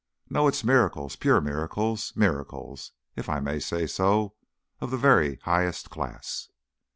No, it's miracles pure miracles miracles, if I may say so, of the very highest class."